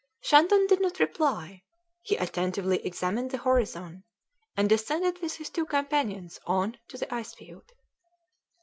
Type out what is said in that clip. Shandon did not reply; he attentively examined the horizon, and descended with his two companions on to the ice field.